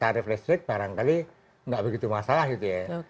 tarif listrik barangkali nggak begitu masalah gitu ya